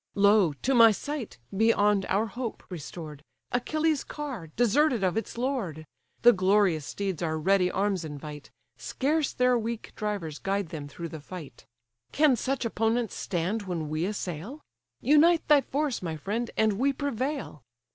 "Lo, to my sight, beyond our hope restored, Achilles' car, deserted of its lord! The glorious steeds our ready arms invite, Scarce their weak drivers guide them through the fight. Can such opponents stand when we assail? Unite thy force, my friend, and we prevail."